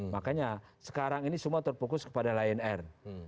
makanya sekarang ini semua terfokus kepada lion air